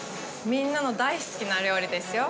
みんなの大好きな料理ですよ。